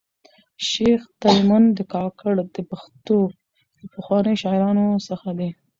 شېخ تیمن کاکړ د پښتو له پخوانیو شاعرانو څخه دﺉ.